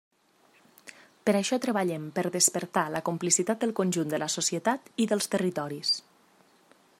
Per això treballem per despertar la complicitat del conjunt de la societat i dels territoris.